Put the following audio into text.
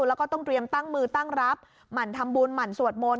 แล้วก็ต้องเตรียมตั้งมือตั้งรับหมั่นทำบุญหมั่นสวดมนต